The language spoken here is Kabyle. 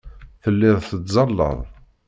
Telliḍ tettẓallaḍ.